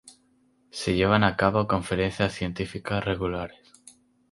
Se llevan a cabo las conferencias científicas regulares.